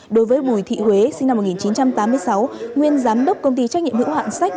đối với bùi thị huế sinh năm một nghìn chín trăm tám mươi sáu nguyên giám đốc công ty trách nhiệm hữu hạn sách